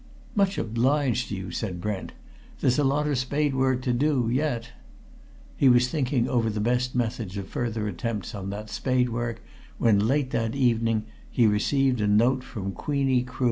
"Much obliged to you," said Brent. "There's a lot of spade work to do yet." He was thinking over the best methods of further attempts on that spade work, when, late that evening, he received a note from Queenie Crood.